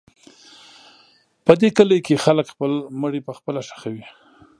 په دې کلي کې خلک خپل مړي پخپله ښخوي.